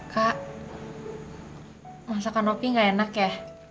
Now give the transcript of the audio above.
kak masakan nopi gak enak ya